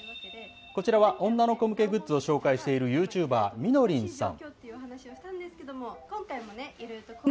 こちらは女の子向けグッズを紹介しているユーチューバー、みのりんさん。